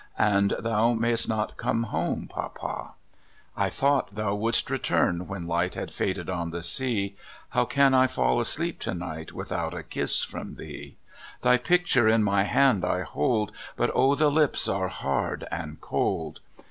And thou mayst not come home, papa! I thought thou wouldst return when light Had faded on the sea: How can I fall asleep to night Without a kiss from thee? Thy picture in my hand I hold, But O the lips are hard and cold